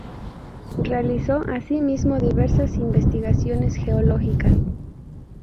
Realizó asimismo diversas investigaciones geológicas.